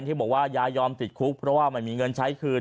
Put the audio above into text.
ที่บอกว่ายายยอมติดคุกเพราะว่าไม่มีเงินใช้คืน